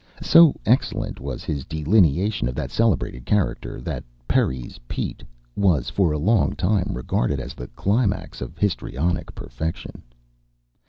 So excellent was his delineation of that celebrated character that "Perry's Pete" was for a long time regarded as the climax of histrionic perfection.